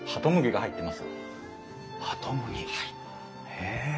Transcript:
へえ！